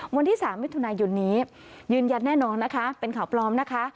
วันที่๓มิถุนายนนี้ยืนยันแน่นอนนะคะเป็นข่าวปลอมนะคะ